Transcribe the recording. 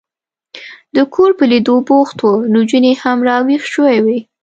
د کور په لیدو بوخت و، نجونې هم را وېښې شوې وې.